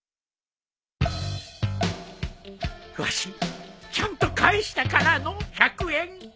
わしちゃんと返したからの１００円。